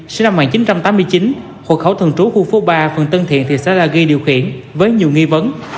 sinh năm một nghìn chín trăm tám mươi chín hộ khẩu thường trú khu phố ba phường tân thiện thị xã la ghi điều khiển với nhiều nghi vấn